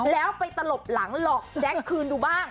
แล้วไปตลบหลังหลอกแจ๊คคืนดูบ้าง